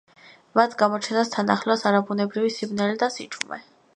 მათ გამოჩენას თან ახლავს არაბუნებრივი სიბნელე და სიჩუმე.